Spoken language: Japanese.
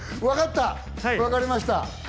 わかった、わかりました。